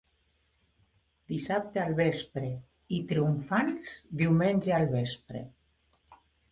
Dissabte al vespre i, triomfants, diumenge al vespre.